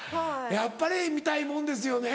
やっぱり見たいもんですよね。